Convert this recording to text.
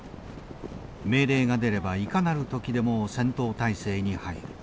命令が出ればいかなる時でも戦闘態勢に入る。